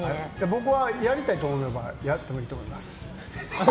僕はやりたいと思えばやったほうがいいと思います。